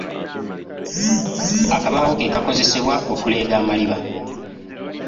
Akabaawo ke kakozesebwa okuleega amaliba.